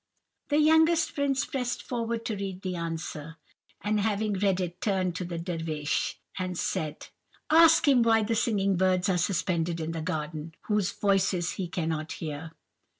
"The youngest prince pressed forward to read the answer, and having read it, turned to the Dervish, and said, 'Ask him why the singing birds are suspended in the garden, whose voices he cannot hear.